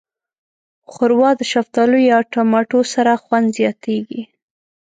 ښوروا د شفتالو یا ټماټو سره خوند زیاتیږي.